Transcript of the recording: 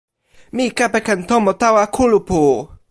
mi kepeken tomo tawa kulupu.